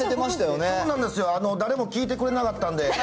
誰も聞いてくれなかったんで。